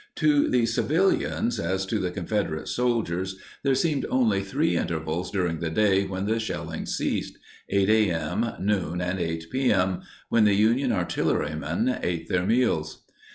To the civilians, as to the Confederate soldiers, there seemed only three intervals during the day when the shelling ceased—8 a. m., noon, and 8 p. m.—when the Union artillerymen ate their meals.